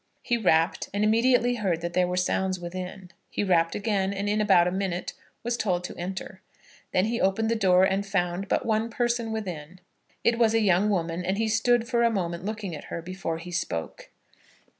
He rapped, and immediately heard that there were sounds within. He rapped again, and in about a minute was told to enter. Then he opened the door, and found but one person within. It was a young woman, and he stood for a moment looking at her before he spoke.